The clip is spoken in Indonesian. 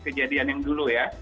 kejadian yang dulu ya